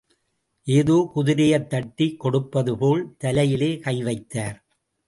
ஏதோ குதிரையைத் தட்டிக் கொடுப்பதுபோல் தலையிலே கைவைத்தார்.